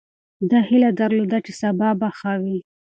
ده هیله درلوده چې سبا به ښه وي.